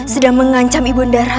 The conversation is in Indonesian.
sedang mengancam ibu darah